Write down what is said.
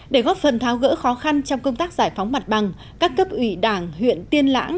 để góp phần tháo gỡ khó khăn trong công tác giải phóng mặt bằng các cấp ủy đảng huyện tiên lãng